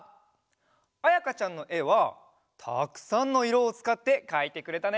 あやかちゃんのえはたくさんのいろをつかってかいてくれたね！